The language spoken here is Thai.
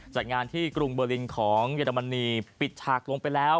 จัดงานที่กรุงเบอร์ลินของเยอรมนีปิดฉากลงไปแล้ว